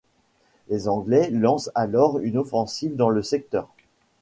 Les Anglais lancent alors une offensive dans le secteur.